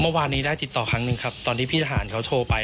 เมื่อวานนี้ได้ติดต่อครั้งหนึ่งครับตอนที่พี่ทหารเขาโทรไป